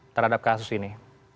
terhadap kasus ini